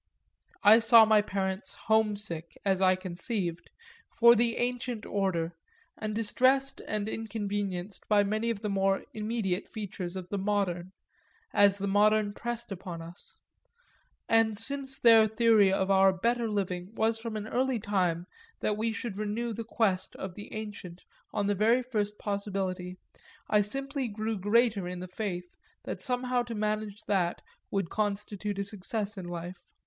I saw my parents homesick, as I conceived, for the ancient order and distressed and inconvenienced by many of the more immediate features of the modern, as the modern pressed upon us, and since their theory of our better living was from an early time that we should renew the quest of the ancient on the very first possibility I simply grew greater in the faith that somehow to manage that would constitute success in life.